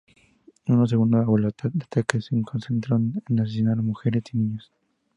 Una segunda ola de ataques se concentró en asesinar a mujeres y niños.